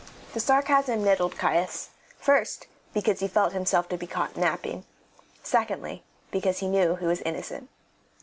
The sarcasm nettled Caius, first, because he felt himself to be caught napping; secondly, because he knew he was innocent.